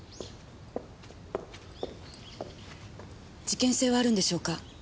事件性はあるんでしょうか？